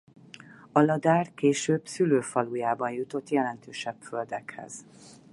Aladár később szülőfalujában jutott jelentősebb földekhez.